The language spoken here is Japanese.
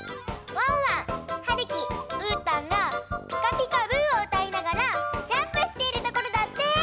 ワンワンはるきうーたんが「ピカピカブ！」をうたいながらジャンプしているところだって！